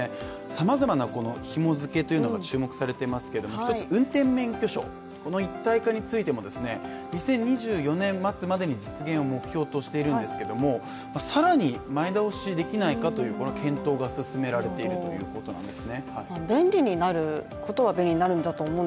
さまざまな紐づけというのが注目されていますけども運転免許証、この一体化についても、２０２４年末までに実現を目標としているんですけれども、更に前倒しできないかという検討が進められているということなんです。